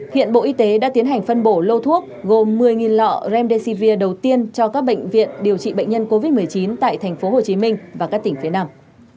hiện bộ y tế đã tiến hành phân bổ lô thuốc gồm một mươi lọ remdesivir đầu tiên cho các bệnh viện điều trị bệnh nhân covid một mươi chín tại tp hcm và các tỉnh phía nam